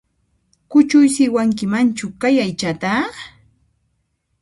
Kuchuysiwankimanchu kay aychata?